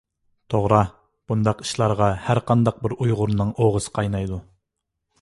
توغرا، بۇنداق ئىشلارغا ھەرقانداق بىر ئۇيغۇرنىڭ ئوغىسى قاينايدۇ.